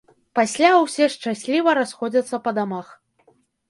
Пасля ўсе шчасліва расходзяцца па дамах.